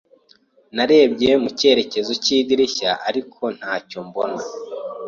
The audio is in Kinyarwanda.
Narebye mu cyerekezo cy'idirishya, ariko ntacyo mbona.